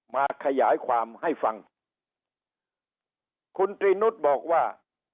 มาขยายความให้ฟังคุณตรีนุษย์บอกว่า